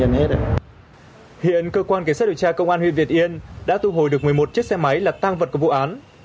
qua vụ việc trên cơ quan kiến sát điều tra công an huyện việt yên đã tu hồi được một mươi một chiếc xe máy là tăng vật của vụ án